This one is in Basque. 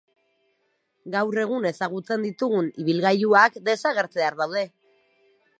Gaur egun ezagutzen ditugun ibilgailuak desagertzear daude.